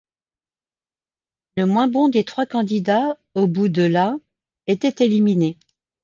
Le moins bon des trois candidats au bout de la était éliminé.